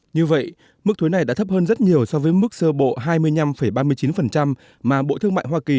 như vậy mức thuế này đã thấp hơn rất nhiều so với mức sơ bộ hai mươi năm ba mươi chín mà bộ thương mại hoa kỳ